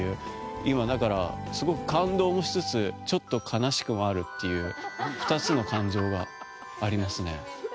今、だからすごく感動もしつつちょっと悲しくもあるという２つの感情がありますね。